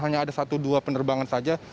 hanya ada satu dua penerbangan saja